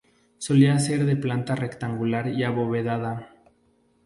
Solía ser de planta rectangular y abovedada.